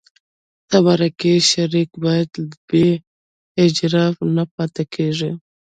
د مرکه شریک باید بې اجره نه پاتې کېږي.